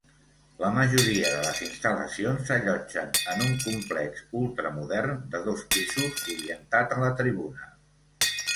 La majoria de les instal·lacions s'allotgen en un complex ultra modern de dos pisos orientat a la tribuna.